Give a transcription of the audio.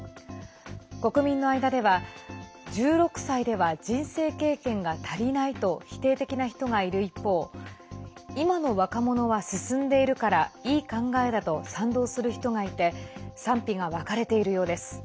国民の間では１６歳では人生経験が足りないと否定的な人がいる一方今の若者は進んでいるからいい考えだと賛同する人がいて賛否が分かれているようです。